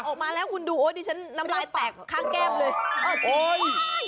ออกมาแล้วคุณดูโอ๊ยดิฉันน้ำลายแตกข้างแก้มเลยโอ๊ย